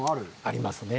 ありますね。